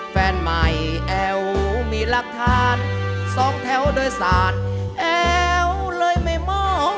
แฟนใหม่แอ๋วมีหลักฐานสองแถวโดยสารแอวเลยไม่มอง